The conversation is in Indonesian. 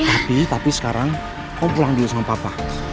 tapi tapi sekarang kau pulang dulu sama papa